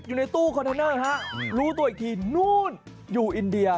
ลูกตัวอีกทีนู่นอยู่อินเดีย